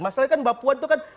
masalahnya kan baliho itu kan